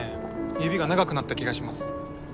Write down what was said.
指が長くなった気がします